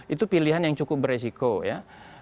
itu pilihan yang cukup beresiko ya